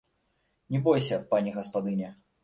Не бойся, пані гаспадыня!